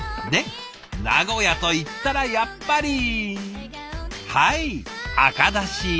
で名古屋といったらやっぱりはい赤だし。